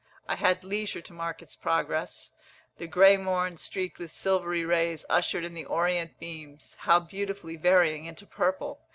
I had leisure to mark its progress. The grey morn, streaked with silvery rays, ushered in the orient beams (how beautifully varying into purple!)